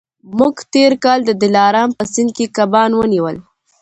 موږ تېر کال د دلارام په سیند کي کبان ونیول.